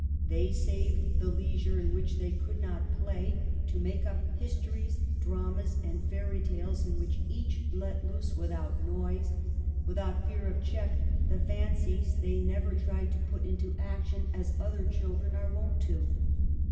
They saved the leisure in which they could not play 36 EMILY BRONTE. to make up histories, dramas, and fairy tales, in which each let loose, without noise, without fear of check, the fancies they never tried to put into action as other children are wont to.